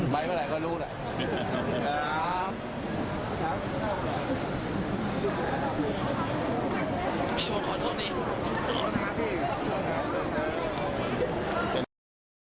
ไปเมื่อไหร่ก็รู้หน่อย